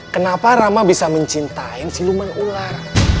kenapa rama bisa mencintai si luman ular